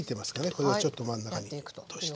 これをちょっと真ん中に落として。